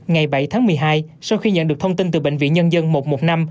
ngày bảy tháng một mươi hai sau khi nhận được thông tin từ bệnh viện nhân dân một trăm một mươi năm